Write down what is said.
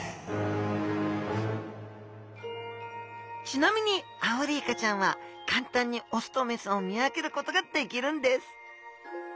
ちなみにアオリイカちゃんは簡単にオスとメスを見分けることができるんです。